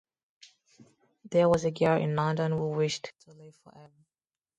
There was a girl in London who wished to live forever.